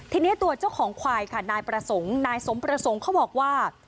ทีนี้ตัวเจ้าของควายค่ะนายประสงค์นายสมประสงค์เขาบอกว่า